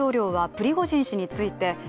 プリゴジン氏についてです。